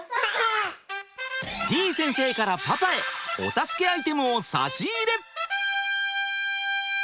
ぃ先生からパパへお助けアイテムを差し入れ！